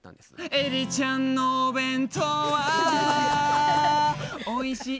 「エリちゃんのお弁当はおいしい」